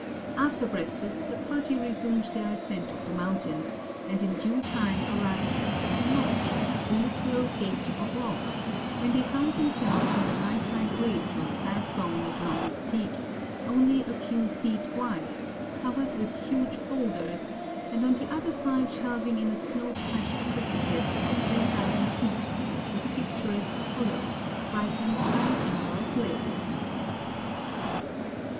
After breakfast the party resumed their ascent of the mountain, and in due time arrived at the "Notch" a literal gate of rock when they found themselves on the knife like ridge or backbone of Long's Peak, only a few feet wide, covered with huge boulders, and on the other side shelving in a snow patched precipice of 3,000 feet to a picturesque hollow, brightened by an emerald lake.